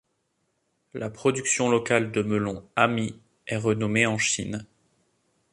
La production locale de melons hami est renommée en Chine.